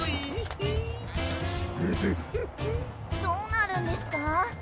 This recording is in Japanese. どうなるんですか？